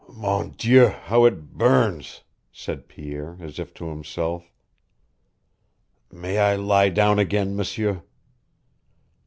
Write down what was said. "Mon Dieu, how it burns!" said Pierre, as if to himself. "May I lie down again, M'sieur?"